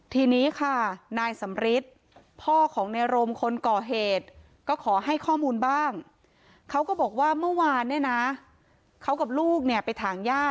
ทีนี้ค่ะนายสำริทพ่อของในรมคนก่อเหตุก็ขอให้ข้อมูลบ้างเขาก็บอกว่าเมื่อวานเนี่ยนะเขากับลูกเนี่ยไปถ่างย่า